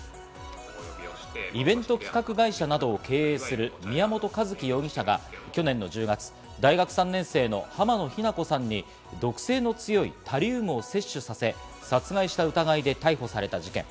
イベント企画会社などを経営する宮本一希容疑者が去年の１０月、大学３年生の浜野日菜子さんに毒性の強いタリウムを摂取させ、殺害した疑いで逮捕された事件。